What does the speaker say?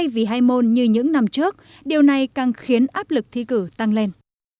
vì hai môn như những năm trước điều này càng khiến áp lực thi cử tăng lên